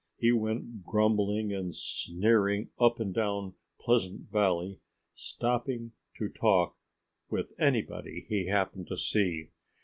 He went grumbling and sneering up and down Pleasant Valley, stopping to talk with anybody he happened to see.